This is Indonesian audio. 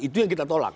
itu yang kita tolak